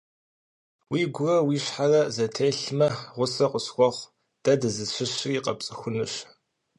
Уигурэ уи щхьэрэ зэтелъмэ, гъусэ къысхуэхъу, дэ дызыщыщри къэпцӀыхунщ.